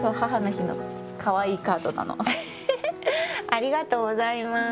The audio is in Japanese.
ありがとうございます。